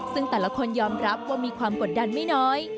ซึ่งแต่ละคนยอมรับว่ามีความกดดันไม่น้อย